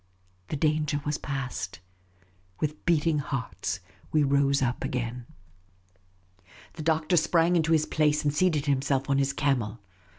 The danger was past. With beating hearts we rose up again. The Doctor sprang into his place and seated himself on his camel.